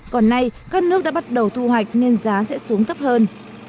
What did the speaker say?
còn nay các nước đã bắt đầu thu hoạch nên giá sẽ xuống thấp hơn